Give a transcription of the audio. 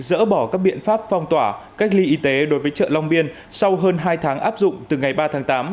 dỡ bỏ các biện pháp phong tỏa cách ly y tế đối với chợ long biên sau hơn hai tháng áp dụng từ ngày ba tháng tám